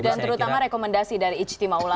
dan terutama rekomendasi dari ijtima ulama